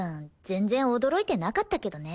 全然驚いてなかったけどね。